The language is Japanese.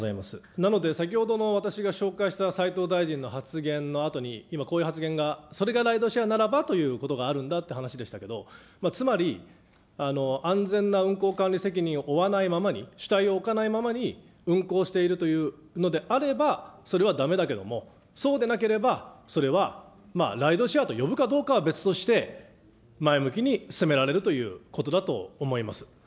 なので、先ほどの私が紹介した斉藤大臣の発言のあとに、今、こういう発言が、それがライドシェアならばということがあるんだって話でしたけれども、つまり安全な運行管理責任を負わないままに、主体を置かないままに運行しているというのであれば、それはだめだけれども、そうでなければ、それはライドシェアと呼ぶかどうかは別として、前向きに進められるということだと思います。